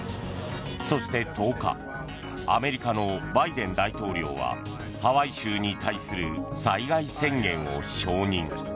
そして、１０日アメリカのバイデン大統領はハワイ州に対する災害宣言を承認。